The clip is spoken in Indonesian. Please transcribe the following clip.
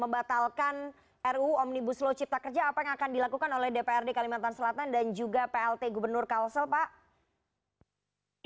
membatalkan ruu omnibus law cipta kerja apa yang akan dilakukan oleh dprd kalimantan selatan dan juga plt gubernur kalsel pak